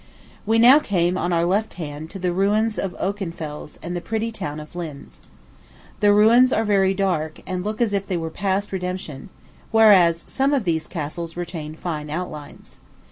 We now came, on our left hand, to the ruins of Okenfels and the pretty town of Linz. The ruins are very dark, and look as if they were past redemption; whereas, some of these castles retain fine outlines.